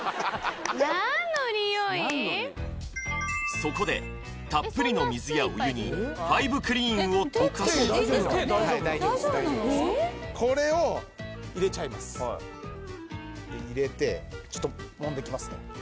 そこでたっぷりの水やお湯にファイブクリーンを溶かしこれを入れちゃいます入れてちょっともんでいきますね